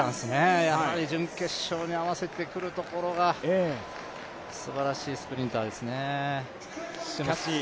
やはり準決勝に合わせてくるところがすばらしいスプリンターですね。